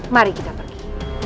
mari kita pergi